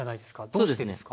どうしてですか？